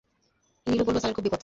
নীলু বলল, স্যারের খুব বিপদ।